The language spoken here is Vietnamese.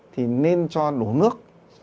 thì nên cho đủ nước